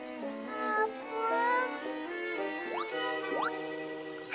あーぷん？